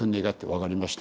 「分かりました。